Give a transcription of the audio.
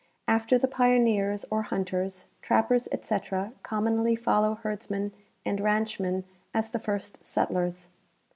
After the pioneers, or hunters, trappers, etc, commonly follow herdsmen and ranchmen as the first settlers.